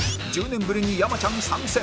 １０年ぶりに山ちゃん参戦！